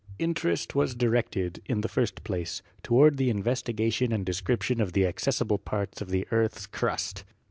Interest was directed, in the first place, toward the investigation and description of the accessible parts of the earth's crust.